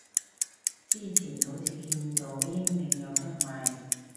之前好似見到英領有得賣